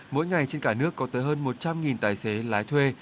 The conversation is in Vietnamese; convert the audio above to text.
mỗi ngày trên cả nước có tới hơn một trăm linh tài xế lái thuê